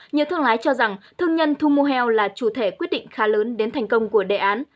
nhiều thương lái cho rằng thương nhân thu mua heo là chủ thể quyết định khá lớn đến thành công của đề án